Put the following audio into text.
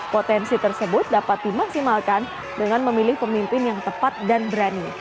potensi tersebut dapat dimaksimalkan dengan memilih pemimpin yang tepat dan berani